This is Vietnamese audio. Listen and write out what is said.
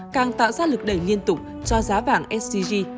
càng tạo ra lực đẩy liên tục cho giá vàng sgg